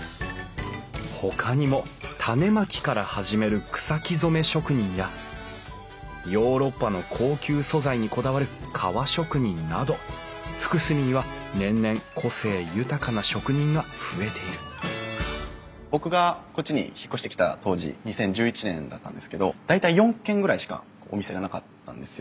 ほかにも種まきから始める草木染め職人やヨーロッパの高級素材にこだわる革職人など福住には年々個性豊かな職人が増えている僕がこっちに引っ越してきた当時２０１１年だったんですけど大体４軒ぐらいしかお店がなかったんですよ。